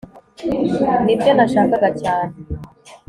nibyo nashakaga cyane